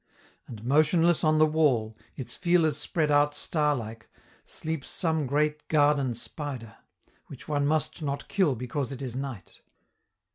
And, motionless on the wall, its feelers spread out star like, sleeps some great garden spider, which one must not kill because it is night.